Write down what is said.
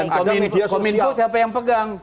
komunikasi itu siapa yang pegang